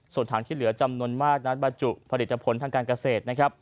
ส่วนถังที่เหลือจำนวนมากนัดบาจุผลิตผลทางการเกษตร